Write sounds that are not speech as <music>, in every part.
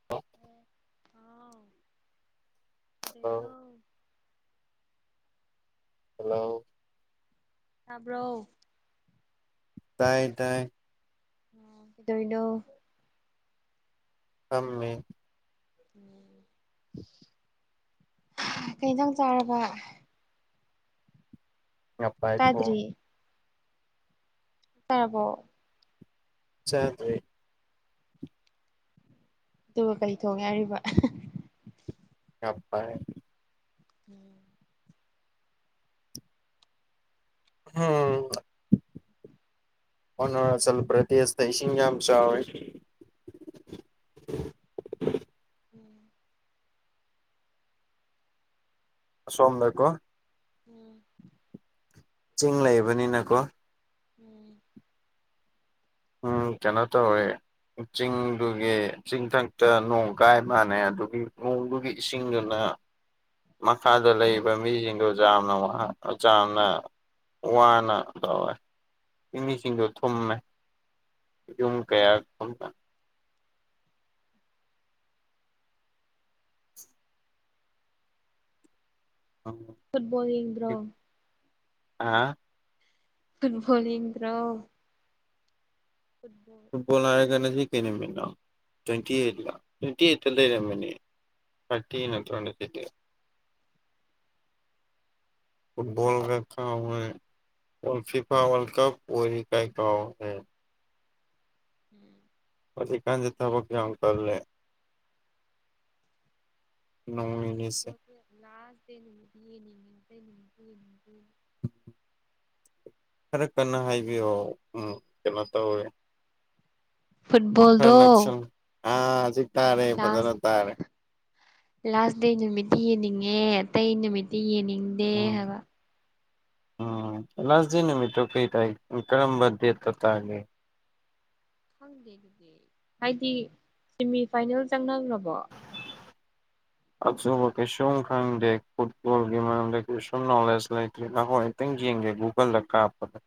<inaudible> ꯑꯦ ꯍꯥꯎ ꯀꯩꯗꯧꯔꯤꯅꯣ <unintelligible> ꯍꯜꯂꯣ! ꯇꯥꯕ꯭ꯔꯣ? ꯇꯥꯏ ꯇꯥꯏ꯫ ꯑꯣ ꯀꯩꯗꯧꯔꯤꯅꯣ? ꯐꯝꯃꯤ꯫ ꯎꯝ ꯀꯩ ꯏꯟꯖꯡ ꯆꯥꯔꯕ? ꯉꯥꯄꯥꯏ ꯊꯣꯛ ꯆꯥꯗ꯭ꯔꯤ ꯇꯥꯔꯕꯣ? ꯆꯥꯗ꯭ꯔꯤ꯫ ꯑꯗꯨꯒ ꯀꯩ ꯊꯣꯡꯉꯦ ꯍꯥꯏꯔꯤꯕ? ꯉꯥꯄꯥꯏ꯫ ꯎꯝ ꯍꯨꯝ ꯑꯔꯨꯅꯥꯆꯜ ꯄ꯭ꯔꯗꯦꯁꯇ ꯏꯁꯤꯡ ꯌꯥꯝ ꯆꯥꯎꯏ꯫ ꯎꯝ ꯑꯁꯣꯝꯗ ꯀꯣ꯫ ꯎꯝ ꯆꯤꯡ ꯂꯩꯕꯅꯤꯅꯀꯣ꯫ ꯎꯝ ꯎꯝ ꯀꯩꯅꯣ ꯇꯧꯋꯦ, ꯆꯤꯡꯗꯨꯒꯤ ꯆꯤꯡꯊꯛꯇ ꯅꯣꯡ ꯀꯥꯏ ꯃꯥꯅꯦ ꯑꯗꯨꯒꯤ ꯅꯣꯡꯗꯨꯒꯤ ꯏꯁꯤꯡꯗꯨꯅ ꯃꯈꯥꯗ ꯂꯩꯔꯤꯕ ꯃꯤꯁꯤꯡꯗꯣ ꯖꯥꯝꯅ ꯋꯥ ꯖꯥꯝꯅ ꯋꯥꯅ ꯇꯧꯋꯦ ꯆꯤꯡꯃꯤꯁꯤꯡꯗꯣ ꯊꯨꯝꯃꯦ꯫ ꯌꯨꯝ ꯀꯌꯥ ꯊꯨꯝꯃꯦ? <inaudible> ꯐꯨꯠꯕꯣꯜ ꯌꯦꯡꯗ꯭ꯔꯣ? ꯑꯥ ꯐꯨꯠꯕꯣꯜ ꯌꯦꯡꯗ꯭ꯔꯣ? ꯐꯨꯠꯕꯣꯜ꯫ ꯐꯨꯠꯕꯣꯜ ꯍꯥꯏꯔꯒꯥꯟꯅ ꯁꯤ ꯀꯩꯅꯃꯤꯅꯣ ꯇ꯭ꯋꯦꯟꯇꯤ ꯑꯩꯠꯂ ꯇ꯭ꯋꯦꯟꯇꯤ ꯑꯩꯠꯇ ꯂꯩꯔꯝꯃꯤꯅꯦ꯫ ꯊꯥꯔꯇꯤ ꯅꯠꯇ꯭ꯔꯣ ꯍꯟꯗꯛꯀꯤꯗꯤ? <inaudible> ꯐꯨꯠꯕꯣꯜꯒ ꯀꯧꯔꯦ꯫ ꯑꯣꯜ ꯐꯤꯐꯥ ꯋꯥꯜꯀꯞ ꯑꯣꯏꯔꯤ ꯀꯩ ꯀꯥꯎꯔꯦ꯫ <inaudible> ꯍꯧꯖꯤꯛ ꯀꯥꯟꯁꯤ ꯊꯕꯛ ꯌꯥꯎ ꯇꯜꯂꯦ ꯅꯣꯡ ꯅꯤꯅꯤꯁꯦ <unintelligible> ꯂꯥꯁ ꯗꯦ ꯅꯨꯃꯤꯠꯇꯤ ꯌꯦꯡꯅꯤꯡꯏ ꯑꯇꯩ ꯅꯨꯃꯤꯠꯇꯤ ꯌꯦꯡꯅꯤꯡꯗꯦ ꯈꯔ ꯀꯟꯅ ꯍꯥꯏꯕꯤꯌꯣ ꯎꯝ ꯀꯩꯅꯣ ꯇꯧꯔꯦ ꯍꯔ ꯐꯨꯠꯕꯣꯜꯗꯣ ꯅꯛꯁꯟ ꯑꯥꯖꯤ ꯗꯦꯟꯁ ꯂꯥꯁ ꯗꯦ ꯅꯨꯃꯤꯠꯇꯤ ꯌꯦꯡꯅꯤꯡꯉꯦ ꯑꯇꯩ ꯅꯨꯃꯤꯠꯇꯤ ꯌꯦꯡꯅꯤꯡꯉꯤ ꯑꯥ ꯎꯝ ꯂꯥꯁ ꯗꯦ ꯅꯨꯃꯤꯠꯇꯣ ꯀꯩ ꯇꯥꯏ ꯀꯔꯝꯕ ꯗꯦꯠꯇ ꯇꯥꯒꯦ ꯈꯪꯗꯦ ꯑꯗꯨꯗꯤ ꯍꯥꯏꯗꯤ ꯁꯦꯃꯤꯐꯥꯏꯅꯦꯜ ꯆꯪꯅꯈ꯭ꯔꯕꯣ ꯑꯆꯨꯝꯕ ꯀꯩꯁꯨꯝ ꯈꯪꯗꯦ ꯐꯨꯠꯕꯣꯜꯒꯤ ꯃꯔꯝꯗ ꯀꯩꯁꯨꯝ ꯅꯣꯂꯦꯖ ꯂꯩꯇꯅ ꯍꯣꯏ ꯈꯤꯇꯪ ꯌꯦꯡꯒꯦ ꯒꯨꯒꯜꯗ ꯀꯥꯞꯄꯗ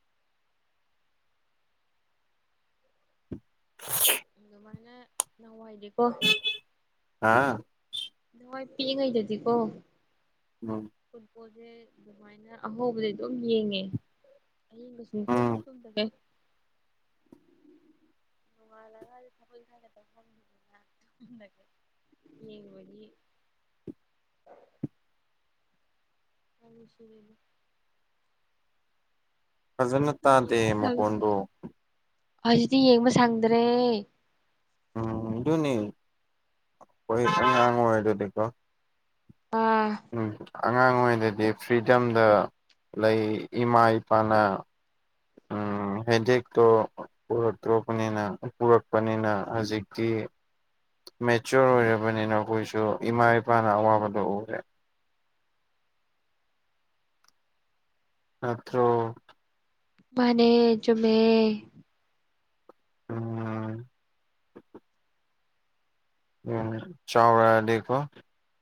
<unintelligible> ꯁꯨꯃꯥꯏꯅ ꯅꯍꯥꯟꯋꯥꯏꯅꯦ ꯀꯣ <unintelligible> ꯃꯣꯏ ꯄꯤꯛꯏꯉꯩꯗꯗꯤꯀꯣ ꯎꯝ ꯐꯨꯠꯕꯣꯜꯁꯦ ꯑꯗꯨꯃꯥꯏꯅ ꯑꯍꯧꯕꯖꯦ ꯑꯗꯨꯝ ꯌꯦꯡꯉꯦ ꯑꯍꯤꯡꯒ ꯁꯨꯡꯇꯨꯝ ꯎꯝ ꯇꯨꯝꯗꯈꯩ ꯃꯥꯜꯂꯒꯥ ꯑꯩꯈꯣꯏ ꯊꯥꯏꯅ ꯇꯧ ꯐꯪꯈꯤꯗꯦꯗꯅ <unintelligible> ꯌꯥꯝ ꯅꯨꯡꯁꯤꯔꯤꯌꯦ ꯐꯖꯅ ꯍꯧꯖꯤꯛꯇꯤ ꯇꯥꯗꯦ ꯃꯈꯣꯟꯗꯣ ꯍꯧꯖꯤꯗꯤ ꯌꯦꯡꯕ ꯁꯪꯗ꯭ꯔꯦ ꯎꯝ ꯑꯗꯨꯅꯤ <unintelligible> ꯉꯥꯡꯉꯥꯛ ꯑꯣꯏ ꯑꯗꯨꯗꯤꯀꯣ ꯑꯥ ꯎꯝ ꯑꯉꯥꯡ ꯑꯣꯏꯔꯥꯗꯤ ꯐ꯭ꯔꯤꯗꯝꯗ ꯂꯩ ꯏꯃꯥ ꯏꯄꯥꯅ <inaudible> ꯎꯝ ꯍꯦꯗꯦꯛꯇꯣ ꯄꯨꯔꯛꯇ꯭ꯔꯕꯅꯤꯅ ꯄꯨꯔꯛꯄꯅꯤꯅ ꯍꯧꯖꯤꯛꯇꯤ ꯃꯦꯆꯣꯔ ꯑꯣꯏꯔꯕꯅꯤꯅ ꯑꯩꯈꯣꯏꯁꯨ ꯏꯃꯥ ꯏꯄꯥꯅ ꯑꯋꯥꯕꯗꯣ ꯎꯔꯦ ꯅꯠꯇ꯭ꯔꯣ ꯃꯥꯅꯦ ꯆꯨꯝꯃꯦ ꯎꯝ ꯎꯝ ꯆꯧꯔꯛꯑꯗꯤꯀꯣ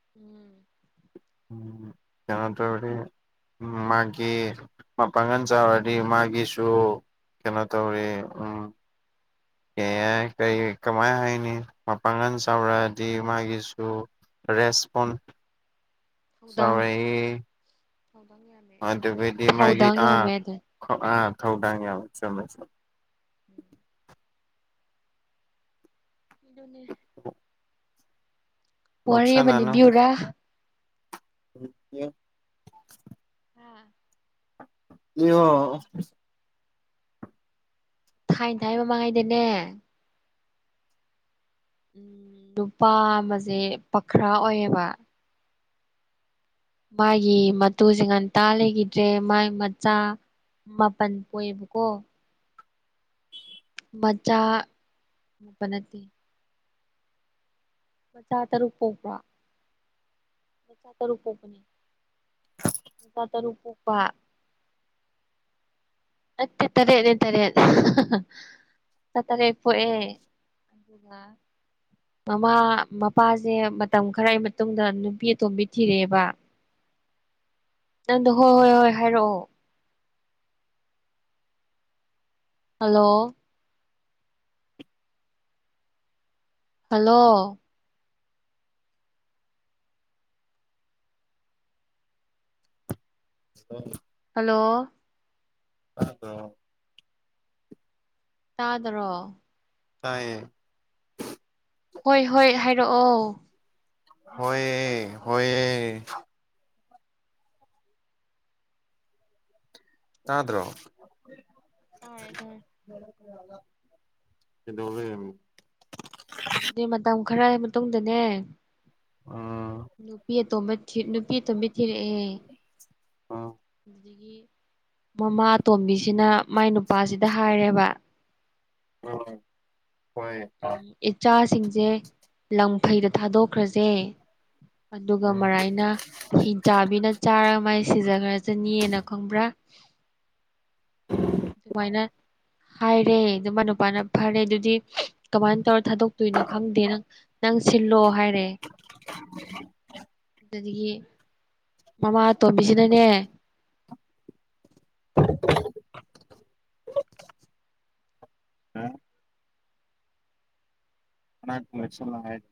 <inaudible> ꯎꯝ ꯌꯥꯗꯔꯦ ꯎꯝ ꯃꯥꯒꯤ ꯃꯄꯥꯡꯒꯟ ꯆꯥꯎꯔꯛ ꯑꯗꯤ ꯃꯥꯒꯤꯁꯨ ꯀꯩꯅꯣ ꯇꯧꯌꯦ ꯎꯝ <inaudible> ꯑꯦ ꯀꯔꯤ ꯀꯃꯥꯏ ꯍꯥꯏꯅꯤ ꯃꯄꯥꯡꯒꯜ ꯆꯥꯎꯔꯛꯑꯗꯤ ꯃꯥꯒꯤꯁꯨ ꯔꯦꯁꯄꯣꯟ ꯅꯨꯡꯗꯥꯡ <unintelligible> ꯑꯗꯨꯒꯩꯗꯤ ꯃꯥꯒꯤ ꯑꯥ ꯑꯥ ꯊꯧꯗꯥꯡ ꯌꯥꯝꯅ ꯆꯨꯝꯃꯦ ꯆꯨꯝꯃꯦ <inaudible> ꯑꯗꯨꯅꯦ ꯋꯥꯔꯤ ꯑꯃ ꯅꯣꯛꯁꯟꯅꯅꯨ ꯂꯤꯕꯤꯌꯨꯔꯥ <unintelligible> ꯍꯥ <unintelligible> ꯊꯥꯏ-ꯊꯥꯏ ꯃꯃꯥꯡꯉꯩꯗꯅꯦ ꯎꯝ ꯅꯨꯄꯥ ꯑꯃꯖꯦ ꯄꯈ꯭ꯔꯥ ꯑꯣꯏꯌꯦꯕ ꯃꯥꯒꯤ ꯃꯇꯨꯖꯦ ꯉꯟꯇꯥ ꯂꯩꯈꯤꯗ꯭ꯔꯦ ꯃꯥꯒꯤ ꯃꯆꯥ ꯃꯥꯄꯟ ꯄꯣꯛꯑꯦꯕꯀꯣ ꯃꯆꯥ <unintelligible> ꯅꯠꯇꯦ ꯃꯆꯥ ꯇꯔꯨꯛ ꯄꯣꯛꯄꯦꯜ ꯃꯆꯥ ꯇꯔꯨꯛ ꯄꯣꯛꯄꯅꯦ ꯃꯆꯥ ꯇꯔꯨꯛ ꯄꯣꯛꯄ ꯅꯠꯇꯦ ꯇꯔꯦꯠꯅꯦ ꯇꯔꯦꯠ ꯍꯥ ꯍꯥ ꯃꯆꯥ ꯇꯔꯦꯠ ꯄꯣꯛꯑꯦ ꯑꯗꯨꯒ ꯑꯥ ꯃꯃꯥ ꯃꯄꯥꯖꯦ ꯃꯇꯝ ꯈꯔꯒꯤ ꯃꯇꯨꯡꯗ ꯅꯨꯄꯤ ꯑꯇꯣꯝꯕꯤ ꯊꯤꯔꯛꯑꯦꯕ ꯅꯪꯗꯣ ꯍꯣꯏ ꯍꯣꯏ ꯍꯣꯏ ꯍꯥꯏꯔꯛꯑꯣ ꯍꯜꯂꯣ ꯍꯜꯂꯣ <unintelligible> ꯍꯜꯂꯣ ꯑꯥꯗꯔꯣ ꯇꯥꯗ꯭ꯔꯣ ꯇꯥꯏꯌꯦ ꯍꯣꯏ ꯍꯣꯏ ꯍꯥꯏꯔꯛꯑꯣ ꯍꯣꯏꯌꯦ ꯍꯣꯏꯌꯦ ꯇꯥꯗ꯭ꯔꯣ ꯇꯥꯔꯦ ꯇꯥꯔꯦ ꯀꯩꯗꯧ ꯂꯩꯔꯝꯃꯤꯅꯣ ꯑꯗꯨꯗꯩ ꯃꯇꯝ ꯈꯔꯒꯤ ꯃꯇꯨꯡꯗꯅꯦ ꯑꯥ ꯅꯨꯄꯤ ꯑꯇꯣꯝꯕ ꯊꯤ ꯅꯨꯄꯤ ꯑꯇꯣꯝꯕ ꯊꯤꯔꯛꯑꯦ ꯎꯝ ꯑꯗꯨꯗꯒꯤ ꯃꯃꯥ ꯑꯇꯣꯝꯕꯤꯁꯤꯅ ꯃꯥꯏ ꯅꯨꯄꯥꯁꯤꯗ ꯍꯥꯏꯔꯦꯕ ꯉꯔ ꯍꯣꯏ ꯎꯝ ꯏꯆꯥꯁꯤꯡꯁꯦ ꯂꯪꯐꯩꯗ ꯊꯥꯗꯣꯛꯈ꯭ꯔꯖꯦ ꯑꯗꯨꯒ ꯎꯝ ꯃꯔꯥꯏꯅ ꯍꯤꯡꯆꯥꯕꯤꯅ ꯆꯥꯔꯒ ꯃꯥꯏ ꯁꯤꯖꯒ꯭ꯔꯖꯅꯤꯅ ꯈꯪꯕ꯭ꯔꯥ <unintelligible> ꯑꯗꯨꯃꯥꯏꯅ ꯍꯥꯏꯔꯦ ꯑꯗꯨ ꯃꯥꯏ ꯅꯨꯄꯥꯅ ꯐꯔꯦ ꯑꯗꯨꯗꯤ ꯀꯃꯥꯏꯅ ꯇꯧꯔ ꯊꯥꯗꯣꯛꯇꯣꯏꯅꯣ ꯈꯪꯗꯦ ꯅꯪ ꯅꯪ ꯁꯤꯜꯂꯣ ꯍꯥꯏꯔꯦ ꯑꯗꯨꯗꯨꯒꯤ ꯃꯃꯥ ꯑꯇꯣꯝꯕꯤꯖꯤꯅꯅꯦ ꯑꯅꯥꯛꯇ ꯅꯛꯁꯤꯜꯂ ꯍꯥꯏꯔ